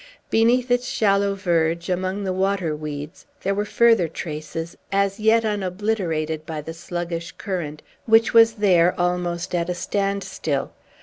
Beneath its shallow verge, among the water weeds, there were further traces, as yet unobliterated by the sluggish current, which was there almost at a standstill.